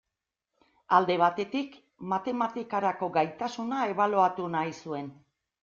Alde batetik, matematikarako gaitasuna ebaluatu nahi zen.